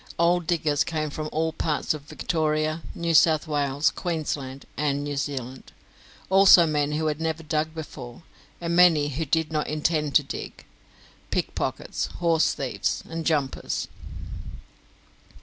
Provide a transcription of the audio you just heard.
Old diggers came from all parts of Victoria, New South Wales, Queensland, and New Zealand; also men who had never dug before, and many who did not intend to dig pickpockets, horse thieves, and jumpers.